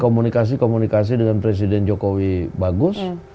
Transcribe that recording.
komunikasi komunikasi dengan presiden jokowi bagus